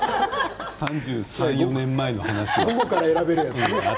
３３、３４年前の話。